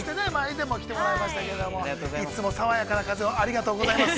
前にも来ていただきましたけど、いつも爽やかな風をありがとうございます。